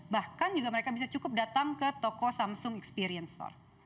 bahkan juga mereka bisa cukup datang ke toko samsung experience store